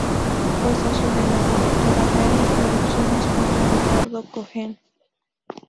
Fue socio de la productora Dalí Producciones junto a Ricardo Cohen.